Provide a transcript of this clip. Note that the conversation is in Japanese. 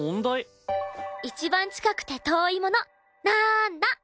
一番近くて遠いものなーんだ？